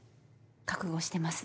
覚悟してます。